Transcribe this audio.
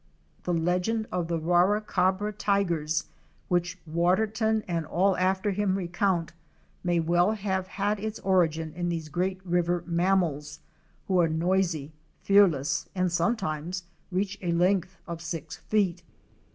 The legend of the Warracabra Tigers, which Water ton and all after him recount, may well have had its origin in these great river mammals, who are noisy, fearless and sometimes reach a length of six feet.